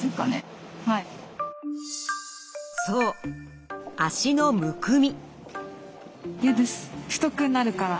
そう脚のむくみ。